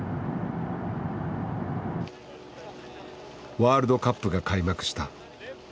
ワールドカップが開幕した。